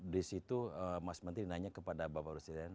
di situ mas menteri nanya kepada bapak presiden